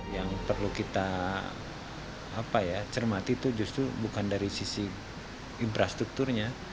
yang perlu kita cermati itu justru bukan dari sisi infrastrukturnya